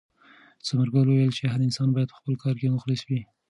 ثمرګل وویل چې هر انسان باید په خپل کار کې مخلص وي.